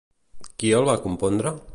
Qui el va compondre?